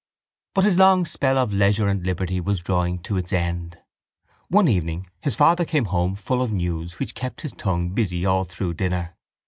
But his long spell of leisure and liberty was drawing to its end. One evening his father came home full of news which kept his tongue busy all through dinner.